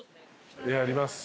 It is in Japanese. やります。